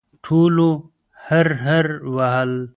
ټولو هررر وهل.